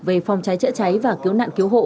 về phòng cháy chữa cháy và cứu nạn cứu hộ